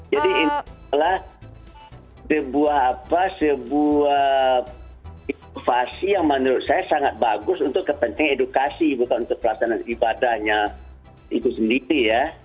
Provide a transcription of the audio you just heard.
jadi ini adalah sebuah apa sebuah inovasi yang menurut saya sangat bagus untuk kepentingan edukasi bukan untuk pelaksanaan ibadahnya itu sendiri ya